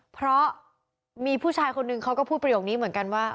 เพราะมีผู้ชายคนนึงเขาก็พูดประโยคนี้เหมือนกันว่า